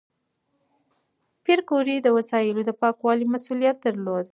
پېیر کوري د وسایلو د پاکوالي مسؤلیت درلود.